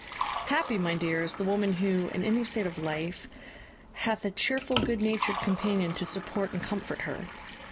"Happy, my dear, is the woman who, in any state of life, hath a cheerful good natured companion to support and comfort her!